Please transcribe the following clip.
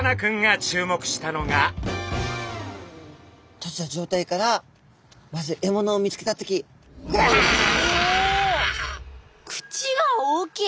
閉じた状態からまず獲物を見つけた時口が大きい！